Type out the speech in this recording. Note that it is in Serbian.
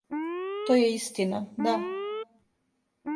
То је истина, да.